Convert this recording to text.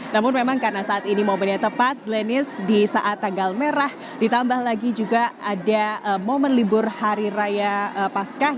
namun memang karena saat ini momennya tepat glenis di saat tanggal merah ditambah lagi juga ada momen libur hari raya pascah